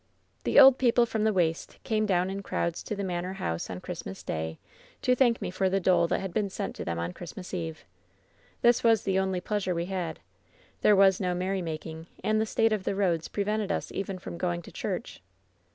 "The old people from the waste came down in crowds to the manor house on Christmas Day to thank me for the dole that had been sent to them on Christmas Eve. This was the only pleasure we had. There was no mer rymaking, and the state of the roads prevented us even from going to church.